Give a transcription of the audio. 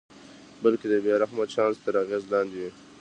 بلکې د بې رحمه چانس تر اغېز لاندې وي.